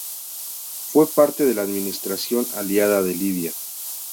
Fue parte de la administración aliada de Libia.